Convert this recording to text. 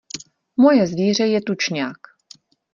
Moje zvíře je tučňák.